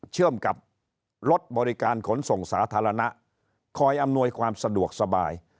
เชื่อมกับรถบริการขนส่งสาธารณะคอยอำนวยความสะดวกสบาย